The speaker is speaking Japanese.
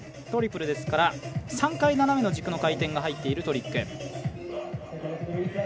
トリプルですから３回斜めの軸の回転が入っているトリック。